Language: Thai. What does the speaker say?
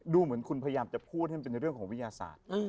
ดูเหมือนคุณพยายามจะพูดให้มันเป็นในเรื่องของวิทยาศาสตร์